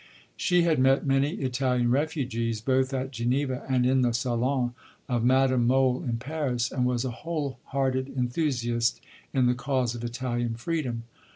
She had met many Italian refugees, both at Geneva and in the salon of Madame Mohl in Paris, and was a whole hearted enthusiast in the cause of Italian freedom.